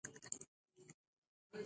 تاریخ د ظلم په وړاندې دیوال دی.